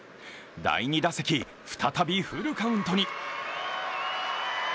第２打席、再びフルカウントに。